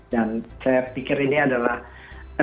dan saya pikir ini adalah another roller coaster ride